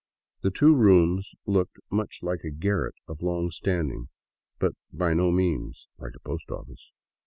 The two rooms looked much like a garret of long standing, but by no means like a post office.